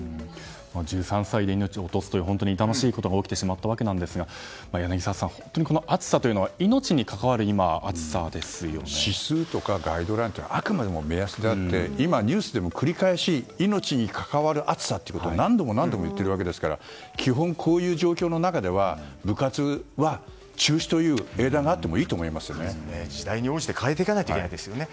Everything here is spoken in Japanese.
１３歳で命を落とすという本当に痛ましいことが起きてしまったんですが柳澤さん、本当に今の暑さというのは指数とかガイドラインはあくまで目安であって今、ニュースでも繰り返し命に関わる暑さということを何度も何度も言っているわけですから基本こういう状況の中では部活は、中止という時代に応じて変えていかなきゃいけないですよね。